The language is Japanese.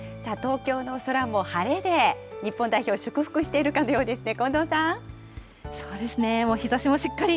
さあ、東京の空も晴れで、日本代表を祝福しているかのようですね。